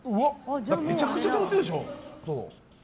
めちゃくちゃたまってるでしょ。